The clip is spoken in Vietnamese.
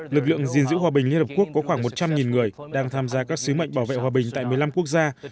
lực lượng gìn giữ hòa bình liên hợp quốc có khoảng một trăm linh người đang tham gia các sứ mệnh bảo vệ hòa bình tại một mươi năm quốc gia